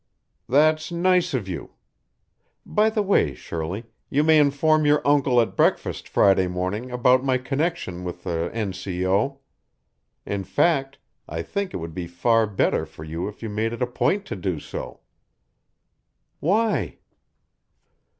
"That's nice of you. By the way, Shirley, you may inform your uncle at breakfast Friday morning about my connection with the N. C. O. In fact, I think it would be far better for you if you made it a point to do so." "Why?"